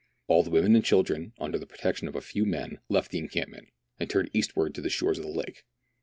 All the women and children, under the protection of a few men, left the encampment, and turned eastward to the shores of the lake.